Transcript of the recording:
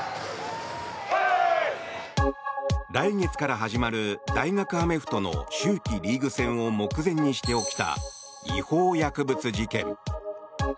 来月から始まる大学アメフトの秋季リーグ戦を目前にして起きた違法薬物事件。